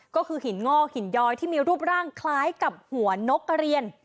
ก็คือหินงอกหินย้อยที่มีรูปร่างคล้ายกับหัวนกกระเรียน